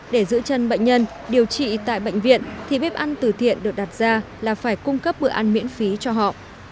để giữ chân bệnh nhân điều trị tại bệnh viện thì bếp ăn từ thiện được đặt ra là phải cung cấp bữa ăn miễn phí cho họ